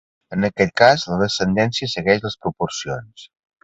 En aquest cas la descendència segueix les proporcions.